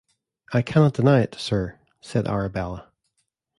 ‘I cannot deny it, Sir,’ said Arabella.